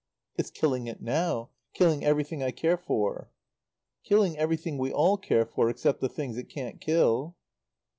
"It's killing it now, killing everything I care for." "Killing everything we all care for, except the things it can't kill."